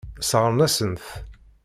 Sseṛɣen-asen-t.